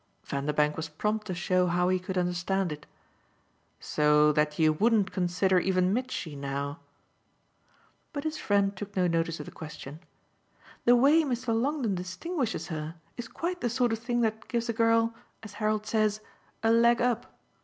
Vanderbank was prompt to show how he could understand it. "So that you wouldn't consider even Mitchy now?" But his friend took no notice of the question. "The way Mr. Longdon distinguishes her is quite the sort of thing that gives a girl, as Harold says, a 'leg up.